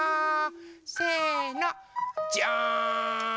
せの。じゃん！